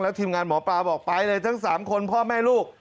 ทีมงานหมอปลาบอกไปเลยทั้ง๓คนพ่อแม่ลูก